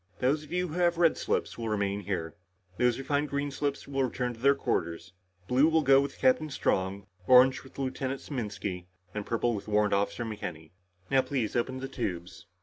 Those of you who have red slips will remain here. Those who find green slips will return to their quarters. Blue will go with Captain Strong, orange with Lieutenant Saminsky, and purple with Warrant Officer McKenny. Now please open the tubes."